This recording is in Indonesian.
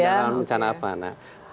yang rawat bencana apa